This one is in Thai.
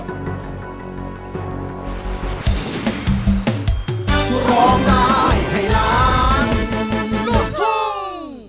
สวัสดีครับ